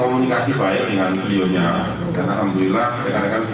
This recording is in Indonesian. itu nanti tergantung fakta persidangan